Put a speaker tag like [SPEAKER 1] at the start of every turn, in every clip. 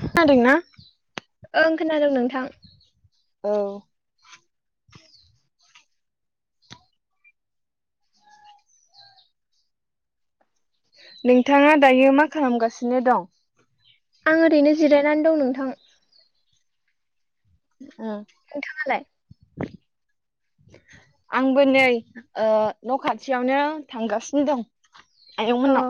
[SPEAKER 1] खोनादोंना
[SPEAKER 2] ओं खोनादों नोंथां
[SPEAKER 1] औ नोंथाङा दायो मा खालामगासिनो दं
[SPEAKER 2] आं ओरैनो जिरायनानै दं नोंथां नोंथाङालाय
[SPEAKER 1] आंबो नै ओ न' खाथियावनो थांगासिनो दं
[SPEAKER 2] अ
[SPEAKER 1] आयंमोननाव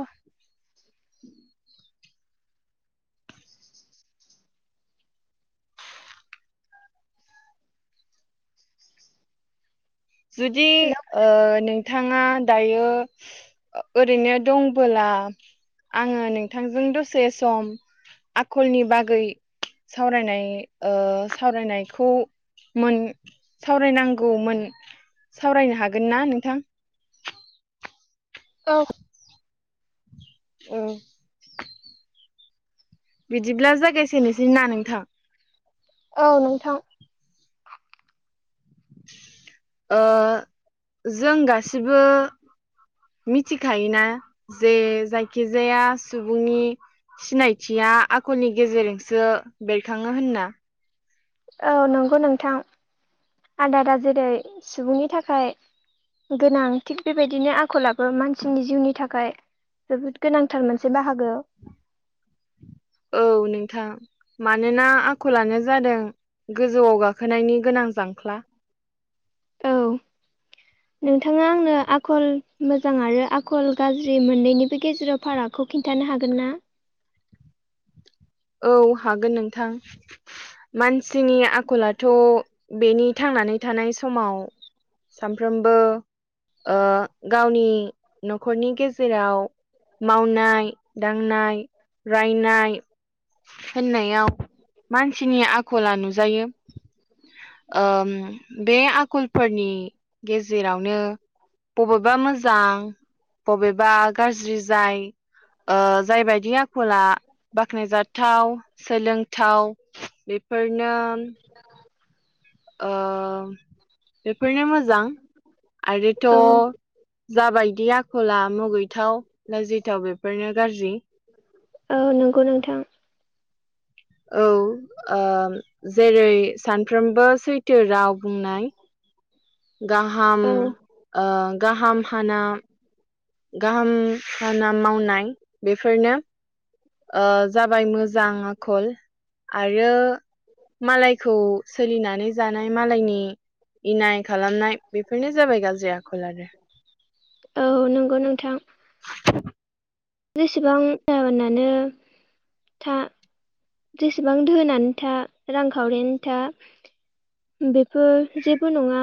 [SPEAKER 1] जुदि
[SPEAKER 2] हेल'
[SPEAKER 1] ओ नों थाङा दायो ओरैनो दंबोला आङो नोंथांजों दसे सम आखलनि बागै सावरायनाय ओ सावरायनायखौ मोन सावरायनांगौमोन सावरायनो हागोन ना नोंथां?
[SPEAKER 2] औ
[SPEAKER 1] औ बिदिब्ला जागायजेनोसै ना नोंथां
[SPEAKER 2] औ नोंथां
[SPEAKER 1] ओ जों गासिबो मिथिखायोना जे जायखिजाया सुबुंनि सिनायथिया आखलनि गेजेरजोंसो बेरखाङो होनना
[SPEAKER 2] औ नंगौ नोंथां आदारा जेरै सुबुंनि थाखाय गोनां थिग बेबायदिनो आखलाबो मानसिनि जिउनि थाखाय जोबोद गोनांथार मोनसे बाहागो
[SPEAKER 1] औ नोंथां मानोना आखलानो जादों गोजौआव गाखोनायनि गोनां जांख्ला
[SPEAKER 2] औ नोंथाङा आंनो आखल मोजां आरो आखल गाज्रि मोननैनिबो गेजेराव फाराग खौ खिन्थानो हागोन ना?
[SPEAKER 1] औ हागोन नोंथां मानसिनि आखलाथ' बेनि थांनानै थानाय समाव सानफ्रोमबो ओ गावनि न'खरनि गेजेराव मावनाय दांनाय रायनाय होननायाव मानसिनि आखला नुजायो ओ बे आखलफोरनि गेजेरावनो बबेबा मोजां बबेबा गाज्रि जाय ओ जायबायदि आखला बाख्नायजाथ थाव सोलोंथाव बेफोरनो ओ बेफोरनो मोजां आरोथ'
[SPEAKER 2] औ
[SPEAKER 1] जाबायदिया खला मुगैथाव लाजिथाव बेफोरनो गाजि
[SPEAKER 2] ओ नोंगौ नोंथां
[SPEAKER 1] औ ओ जेरै सानफ्रोमबो सैथो राव बुंनाय गाहाम
[SPEAKER 2] औ
[SPEAKER 1] ओ गाहाम हाना गाहाम खाना मावनाय बेफोरनो ओ जाबाय मोजां आखल आरो मालायखौ सोलिनानै जानाय मालायनि इनाय खालामनाय बेफोरनो जाबाय गाज्रि आखल आरो
[SPEAKER 2] औ नंगौ नोंथां । जेसेबां गाबोनानो था जेसेबां धोनानो था रांखावरियानो था बेफोर जेबो नङा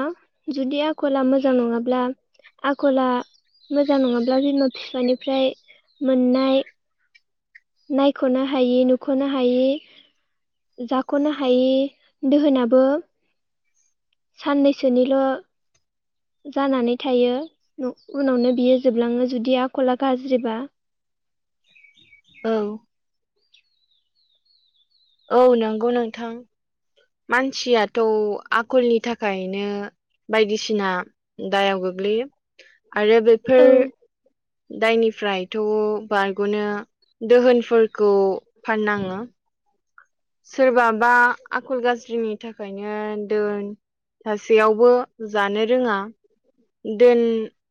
[SPEAKER 2] जुदि आखला मोजां नङाब्ला आखला मोजां नङाब्ला बिमा बिफानिफ्राय मोननाय नायख'नो हायि नुख'नो हायि जाख'नो हायि दोहोनाबो साननैसोनिल' जानानै थायो उनावनो बियो जोबलाङो जुदि आखला गाज्रिबा
[SPEAKER 1] औ औ नंगौ नोंथां । मानसियाथ' आखलनि थाखायनो बायदिसिना दायाव गोग्लैयो आरो बेफोर
[SPEAKER 2] औ
[SPEAKER 1] दायनिफ्रायथ' बारग'नो दोहोनफोरखौ फाननाङो सोरबाबा आखल गाज्रिनि थाखायनो दोन सासेयावबो जानो रोङा दोन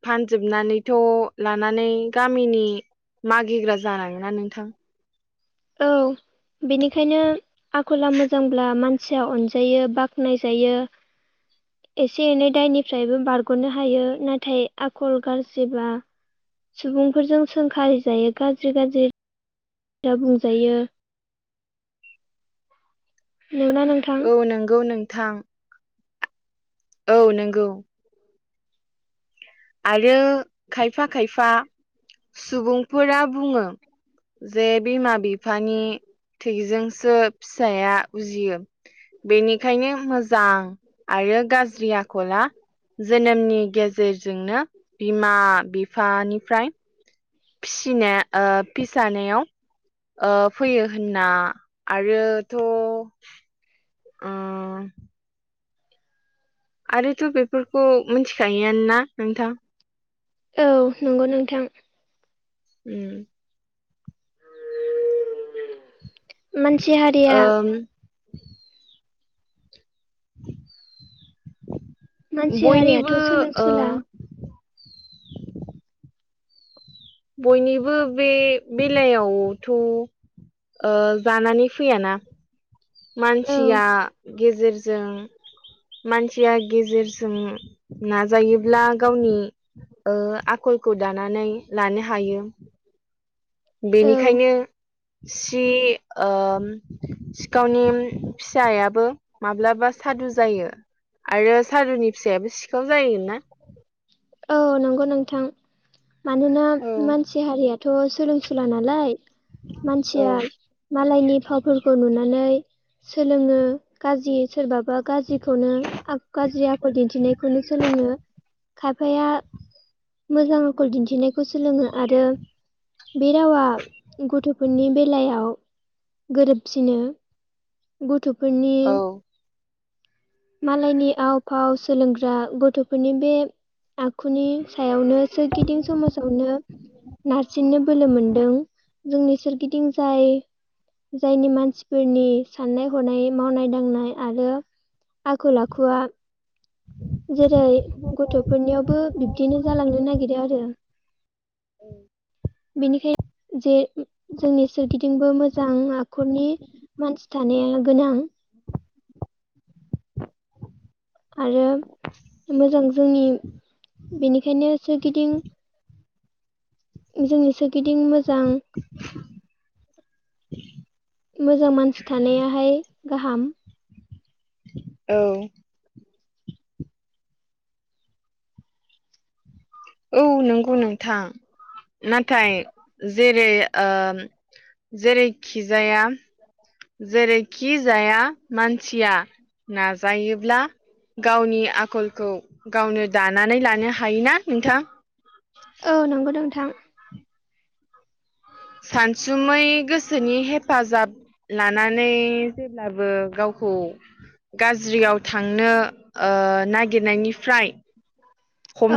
[SPEAKER 1] फानजोबनानैथ' लानानै गामिनि मागिग्रा जानाङोना नोंथां
[SPEAKER 2] औ बेनिखायनो आखला मोजांब्ला मानसिया अनजायो बाख्नायजायो एसे एनै दायनिफ्रायबो बारग'नो हायो नाथाय आखल गाज्रिबा सुबुंफोरजों सोंखारि जायो गाज्रि गाज्रि बुंजायो नंगौना नोंथां
[SPEAKER 1] औ नंगौ नोंथां । औ नंगौ आरो खायफा खायफा सुबुंफोरा बुङो जे बिमा बिफानि थैजोंसो फिसाया उजियो बेनिखायनो मोजां आरो गाज्रि आखला जोनोमनि गेजेर बिमा बिफानिफ्राय फिसिनो ओ फिसानायाव ओ फैयो होनना आरोथ' अ आरोथ' बेफोरखौ मिथिखायोआनोना नोंथां
[SPEAKER 2] औ नंगौ नोंथां।
[SPEAKER 1] उम
[SPEAKER 2] मानसि हारिया
[SPEAKER 1] ओम
[SPEAKER 2] मानसि
[SPEAKER 1] बयनिबो
[SPEAKER 2] हारियाथ' सोलों
[SPEAKER 1] ओ
[SPEAKER 2] सोला
[SPEAKER 1] बयनिबो बे बेलायावथ' ओ जानानै फैयाना मानसिया गेजेरजों मानसिया गेजेरजों नाजायोब्ला गावनि ओ आखलखौ दानानै लानो हायो।
[SPEAKER 2] औ
[SPEAKER 1] बेनिखायनो सि ओ सिखावनि फिसायाबो माब्लाबा सादु जायो। आरो सादुनि फिसायाबो सिखाव जायोनो ना।
[SPEAKER 2] औ नंगौ नोंथां मानोना
[SPEAKER 1] औ
[SPEAKER 2] मानसि हारियाथ सोलोंसुला नालाय।
[SPEAKER 1] औ
[SPEAKER 2] मानसिया मालायनि फावफोरखौ नुनानै। सोलोंङो गाज्रि सोरबा। बा गाज्रिखौनो गाज्रि आखल दिन्थिनायखौनो सोलोंङो। खायफाया मोजां आखल दिन्थिनायखौ सोलोंङो आरो। बे रावा गथ'फोरनि बेलायाव गोरोबसिनो। गथ।
[SPEAKER 1] औ।
[SPEAKER 2] मालायनि आव फाव सोलोंग्रा गथ'फोरनि बे। आखुनि सायावनो सोरगिदिं समाजावनो। नारसिननो बोलो मोनदों जोंनि सोरगिदिं जाय। जायनि मानसिफोरनि साननाय हनाय मावनाय दांनाय आरो। आखल आखुआ। जेरै गथ'फोरनियावबो बिब्दिनो जालांनो नागिरो आरो।
[SPEAKER 1] औ।
[SPEAKER 2] बेनिखायनो जेरै। जोंनि सोरगिदिंबो मोजां आखुनि मानसि थानाया गोनां। आरो मोजां जोंनि बेनिखायनो सोरगिदिं। जोंनि सोरगिदिं मोजां। मोजां मानसि थानायाहाय गाहाम।
[SPEAKER 1] औ। औ नंगौ नोंथां नाथाय जे। जेरै जेरैखिजाया।
[SPEAKER 2] [inaudible]
[SPEAKER 1] जेरैखि जाया मानसिया नाजायो। नाजायोब्ला गावनि आखलखौ गावनो दानानै लानो हायोना नोंथां।
[SPEAKER 2] औ नंगौ नोंथां।
[SPEAKER 1] सानसुमै गोसोनि हेफाजाब लानो। जेब्लाबो गावखौ गाज्रियाव थांनो ओ। नागिरनायनिफ्राय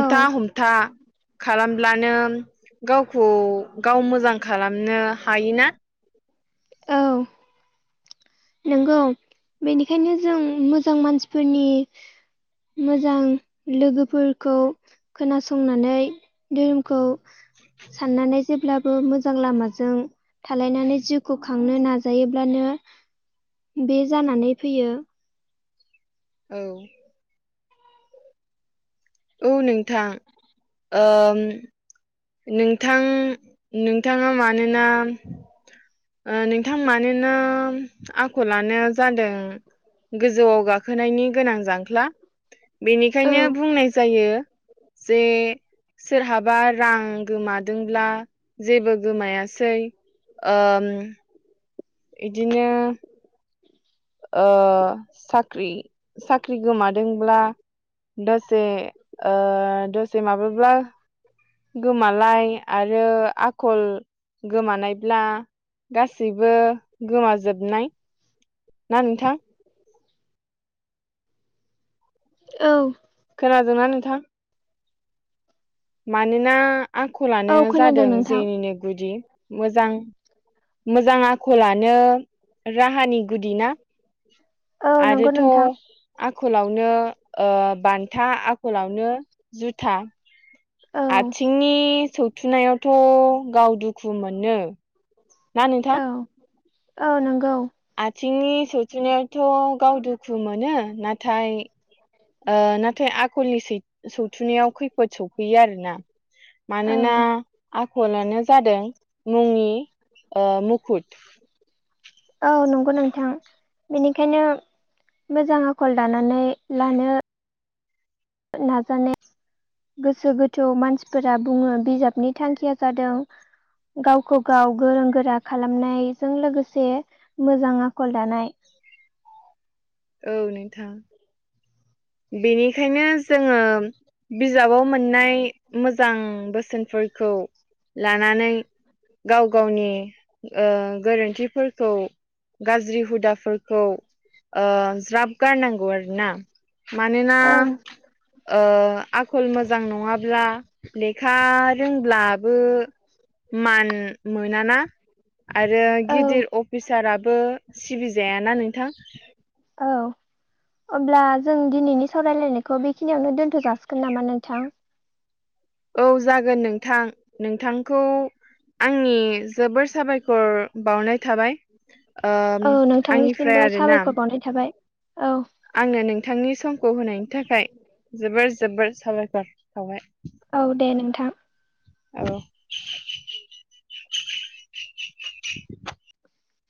[SPEAKER 2] औ
[SPEAKER 1] हमथा। खालामब्लानो गावखौ गाव मोजां खालामनो हायोना।
[SPEAKER 2] औ। नंगौ बेनिखायनो जों मोजां मानसिफोरनि। मोजां। लोगोफोरखौ खोनासंनानै धोरोमखौ। साननानै जेब्लाबो मोजां लामाजों थालायनानै जिउखौ खांनो नाजायोब्लानो। बे जानानै फैयो।
[SPEAKER 1] औ। औ नोंथां ओ नोंथां नोंथाङा मानोना नोंथां मानोना आख'लानो जादों गोजौआव गाखोनायनि गोनां जांख्ला।
[SPEAKER 2] औ
[SPEAKER 1] बेनिखायनो बुंनाय जायो जे सोरहाबा रां गोमादोंब्ला जेबो गोमायाखै ओ बिदिनो ओ साख्रि साख्रि गोमादोंब्ला दसे ओ दसे माब्ला गोमालाय आरो आखल गोमानायब्ला गासैबो गोमाजोबनाय। ना नोंथां?
[SPEAKER 2] औ।
[SPEAKER 1] खोनादोंना नोंथां? मानोना आख'लानो
[SPEAKER 2] औ खोनादों
[SPEAKER 1] जादों
[SPEAKER 2] नोंथां
[SPEAKER 1] जेनिनो गुदि मोजां मोजां आखलानो राहानि गुदि ना?
[SPEAKER 2] औ नंगौ
[SPEAKER 1] आरोथ' आ
[SPEAKER 2] नोंथां
[SPEAKER 1] आख'लावनो बान्था आख'लावनो जुथा।
[SPEAKER 2] औ
[SPEAKER 1] आथिंनि सौथुनायावथ' गाव दुखु मोनो ना नोंथां?
[SPEAKER 2] औ औ नंगौ।
[SPEAKER 1] आथिंनि सौसुनायावथ' गाव दुखु मोनो नाथाय नाथाय आखलनि सौथुनायाव खैफोद सौफैयो आरोना।
[SPEAKER 2] औ
[SPEAKER 1] मानोना आख'लानो जादों मुंनि मुखुत। [inaudible]
[SPEAKER 2] औ नंगौ नोंथां। बेनिखायनो मोजां आखल दानानै लानो नाजानाय ने गोसो गोथौ मानसिफोरा बुङो बिजाबनि थांखिया जादों गावखौ गाव गोरों गोरा खालामनायजों लोगोसे मोजां आखल दानाय।
[SPEAKER 1] [inaudible] औ नोंथां। बेनिखायनो जोङो बिजाबाव मोननाय मोजां बोसोनफोरखौ लानानै गाव गावनि ओ गोरोन्थिफोरखौ गाज्रि हुदाफोरखौ ज्राब गारनांगौ आरोना। मानोना
[SPEAKER 2] औ
[SPEAKER 1] ओ आखल मोजां नङाब्ला लेखा रोंब्लाबो मान मोनाना। आरो
[SPEAKER 2] औ
[SPEAKER 1] गिदिर अफिसाराबो सिबिजायाना नोंथां?
[SPEAKER 2] औ। अब्ला जों दिनैनि सावरायलायनायखौ बेखिनियावनो दोनथ' जाासिगोन नामा नोंथां?
[SPEAKER 1] औ जागोन नोंथां। नोंथांखौ आंनि जोबोर साबायखर बाउनाय थाबाय
[SPEAKER 2] औ
[SPEAKER 1] ओ
[SPEAKER 2] नोंथांनिसिमबो
[SPEAKER 1] आंनिफ्राय आरोना।
[SPEAKER 2] साबायखर बावनाय थाबाय औ
[SPEAKER 1] आंनो नोंथांनि समखौ होनायनि थाखाय जोबोर जोबोर साबायखर बाउबाय।
[SPEAKER 2] औ दे नोंथां।
[SPEAKER 1] औ। [inaudible]